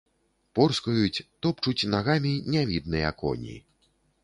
Порскаюць, тупочуць нагамі нявідныя коні.